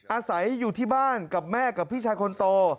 อาศัยอยู่ที่บ้านกับแม่กับพี่ชายคนโต